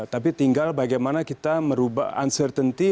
tapi tinggal bagaimana kita merubah uncertainty